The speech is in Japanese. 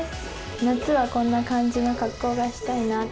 夏はこんな感じの格好がしたいなって。